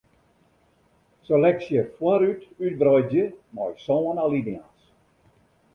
Seleksje foarút útwreidzje mei sân alinea's.